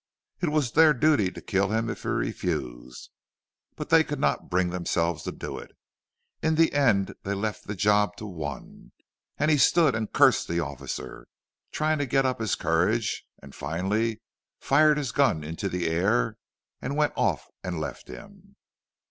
It was their duty to kill him if he refused, but they could not bring themselves to do it. In the end they left the job to one, and he stood and cursed the officer, trying to get up his courage; and finally fired his gun into the air, and went off and left him.